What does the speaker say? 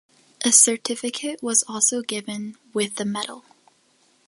A certificate was also given with the medal.